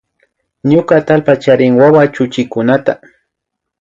Ñuka atallpa charin wawa chuchikunata